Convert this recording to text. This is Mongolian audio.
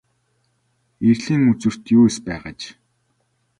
Эрлийн үзүүрт юу эс байх аж.